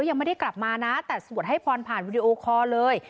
ยังไม่ได้กลับมานะแต่สวดให้พรผ่านวิดีโอคอร์เลย